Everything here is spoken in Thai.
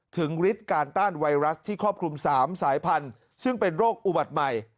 ฤทธิ์การต้านไวรัสที่ครอบคลุม๓สายพันธุ์ซึ่งเป็นโรคอุบัติใหม่